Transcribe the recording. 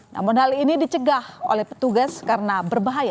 namun hal ini dicegah oleh petugas karena berbahaya